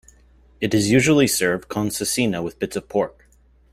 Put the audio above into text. It is usually served con cecina with bits of pork.